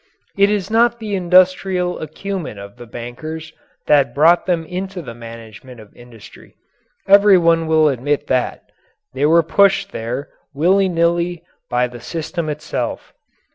It was not the industrial acumen of the bankers that brought them into the management of industry. Everyone will admit that. They were pushed there, willy nilly, by the system itself.